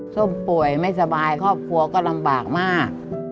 ส้มป่วยไม่สบายครอบครัวก็ลำบากมาก